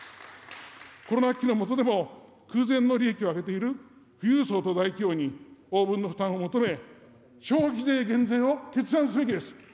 コロナ危機の下でも、空前の利益を上げている富裕層と大企業に応分の負担を求め、消費税減税を決断すべきです。